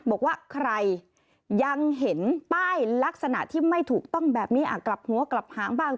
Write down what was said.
บอกว่าใครยังเห็นป้ายลักษณะที่ไม่ถูกต้องแบบนี้กลับหัวกลับหางบ้าง